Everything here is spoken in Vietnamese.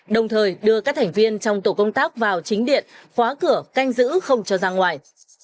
đồng thời đưa các thành viên trong tổ công tác vào chính điện khóa cửa canh giữ không cho ra ngoài